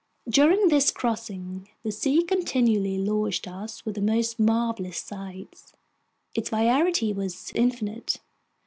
During this crossing, the sea continually lavished us with the most marvelous sights. Its variety was infinite.